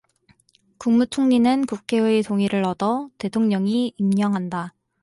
국무총리는 국회의 동의를 얻어 대통령이 임명한다.